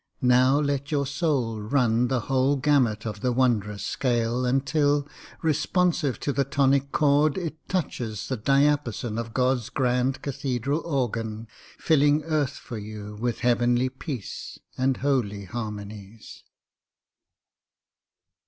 Now let your soul run the whole gamut of the wondrous scale Until, responsive to the tonic chord, It touches the diapason of God's grand cathedral organ, Filling earth for you with heavenly peace And holy harmonies.